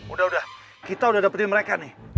udah udah kita udah dapetin mereka nih